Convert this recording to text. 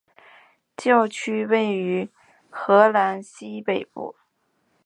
教区位于荷兰西北部。